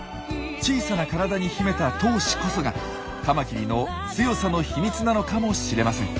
小さな体に秘めた闘志こそがカマキリの強さの秘密なのかもしれません。